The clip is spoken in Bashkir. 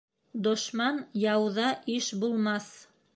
Дошман яуҙа иш булмаҫ.